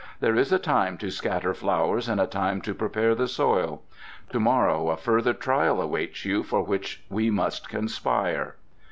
"There is a time to scatter flowers and a time to prepare the soil. To morrow a further trial awaits you, for which we must conspire."